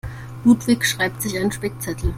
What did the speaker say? Ludwig schreibt sich einen Spickzettel.